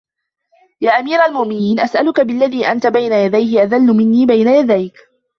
يَا أَمِيرَ الْمُؤْمِنِينَ أَسْأَلُك بِاَلَّذِي أَنْتَ بَيْنَ يَدَيْهِ أَذَلُّ مِنِّي بَيْنَ يَدَيْك